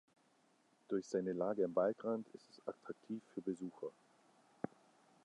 Durch seine Lage am Waldrand ist es attraktiv für Besucher.